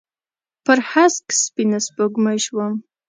پر هسک سپینه سپوږمۍ شوم